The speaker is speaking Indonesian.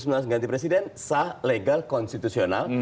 gerakan dua ribu sembilan belas ganti presiden sah legal konstitusional